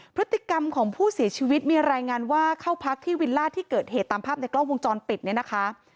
พฤติกรรมของผู้เสียชีวิตมีรายงานว่าเข้าพักที่วิลล่าที่เกิดเหตุตามภาพในกล้องวงจรปิดเนี่ยนะคะ